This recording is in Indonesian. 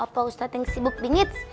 pak ustadz yang sibuk bingit